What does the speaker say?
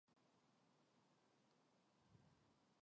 세상에서는 그 장래가 무서운 한 천재가 있었다는 것은 몰랐었습니다.